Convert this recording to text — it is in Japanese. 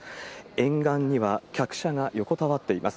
沿岸には、客車が横たわっています。